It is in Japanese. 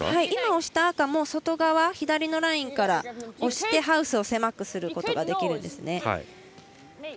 今押した赤も外側左のラインから押してハウスを狭くすることができるんですね。